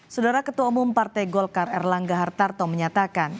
saudara ketua umum partai golkar erlangga hartarto menyatakan